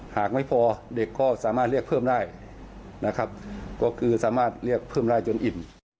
หากไม่พอเด็กก็สามารถเรียกเพิ่มได้นะครับก็คือสามารถเรียกเพิ่มได้จนอิ่ม